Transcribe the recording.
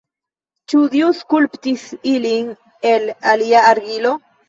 Ĉu Dio skulptis ilin el alia argilo?